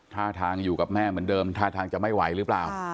ท่าทางอยู่กับแม่เหมือนเดิมท่าทางจะไม่ไหวหรือเปล่า